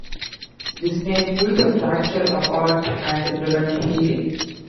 These may pull the fracture apart and prevent healing.